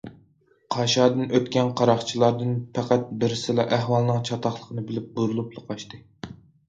قاشادىن ئۆتكەن قاراقچىلاردىن پەقەت بەرسىلا ئەھۋالنىڭ چاتاقلىقىنى بىلىپ بۇرۇلۇپلا قاچتى.